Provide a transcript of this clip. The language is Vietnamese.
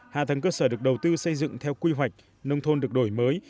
hạ tầng cơ sở được đầu tư xây dựng theo quy hoạch nông thôn được đổi mới